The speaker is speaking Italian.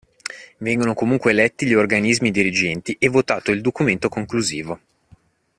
Vengono comunque eletti gli organismi dirigenti e votato il documento conclusivo.